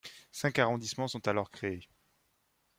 Cinq arrondissements sont alors créés.